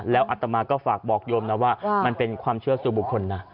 แล้วอัตมาก็ฝากบอกโยมนะว่ามันเป็นความเชื่อสู่บุคคลนะ